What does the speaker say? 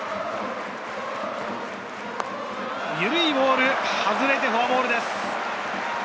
ゆるいボール、外れてフォアボールです。